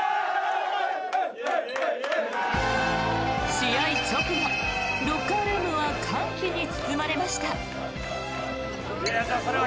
試合直後、ロッカールームは歓喜に包まれました。